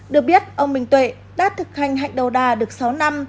được biết ông minh tuệ đã thực hành hạnh đầu đà được sáu năm